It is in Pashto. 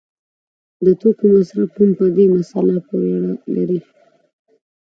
د توکو مصرف هم په همدې مسله پورې اړه لري.